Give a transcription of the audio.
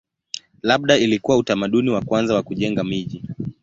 Labda ilikuwa utamaduni wa kwanza wa kujenga miji.